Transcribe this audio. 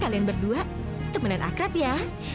kalian berdua temen akrab ya